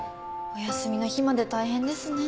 お休みの日まで大変ですね。